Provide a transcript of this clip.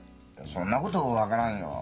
そんなこと分からんよ。